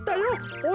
お！